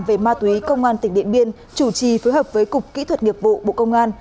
về ma túy công an tỉnh điện biên chủ trì phối hợp với cục kỹ thuật nghiệp vụ bộ công an